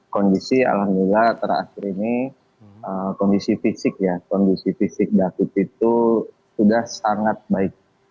kondisi alhamdulillah terakhir ini kondisi fisik ya kondisi fisik david itu sudah sangat baik